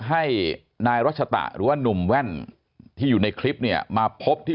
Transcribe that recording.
ให้นายรัชตะหรือว่านุ่มแว่นที่อยู่ในคลิปเนี่ยมาพบที่